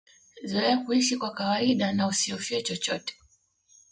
Zoea kuisha kwa kawaida na usihofie chochote